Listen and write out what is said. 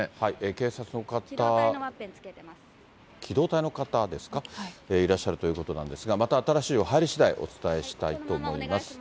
警察の方、機動隊の方ですか、いらっしゃるということなんですが、また新しい情報入りしだいお伝えしたいと思います。